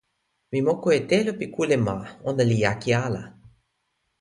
mi moku e telo pi kule ma. ona li jaki ala.